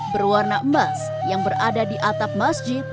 berwarna emas yang berada di atap masjid